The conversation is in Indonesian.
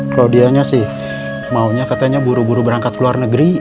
claudia nya sih maunya katanya buru buru berangkat luar negeri